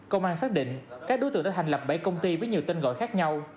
công an xác định các đối tượng đã thành lập bảy công ty với nhiều tên gọi khác nhau